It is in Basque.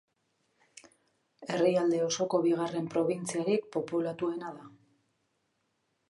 Herrialde osoko bigarren probintziarik populatuena da.